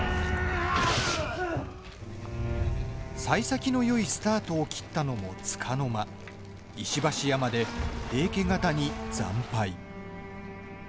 さい先のよいスタートを切ったのもつかの間石橋山で平家方に惨敗。